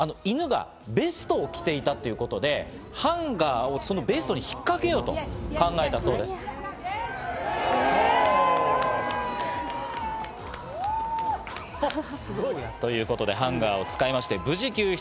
犬がベストを着ていたということで、ハンガーをベストに引っかけようと考えたそうです。ということで、ハンガーを使いまして、無事救出。